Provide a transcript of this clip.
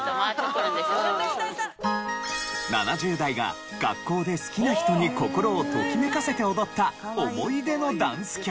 ７０代が学校で好きな人に心をときめかせて踊った思い出のダンス曲。